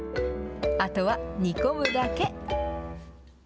あとは煮込むだけ。